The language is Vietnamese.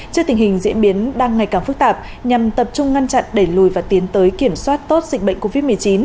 trước tình hình diễn biến đang ngày càng phức tạp nhằm tập trung ngăn chặn đẩy lùi và tiến tới kiểm soát tốt dịch bệnh covid một mươi chín